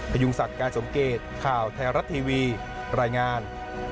พยุงศักดิ์การสมเกตข่าวไทยรัฐทีวีรายงาน